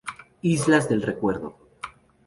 Islas del recuerdo.